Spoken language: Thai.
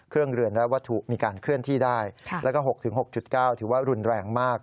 เครื่องเรือนและวัตถุมีการเคลื่อนที่ได้๖๖๙ถือว่ารุนแรงมาก